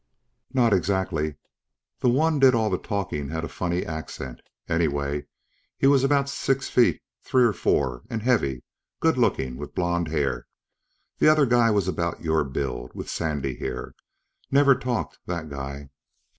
"Not exactly. The one did all the talkin' had a funny accent. Anyways, he was about six feet, three or four, and heavy. Goodlookin', with blond hair. The other guy was about your build, with sandy hair. Never talked, that guy."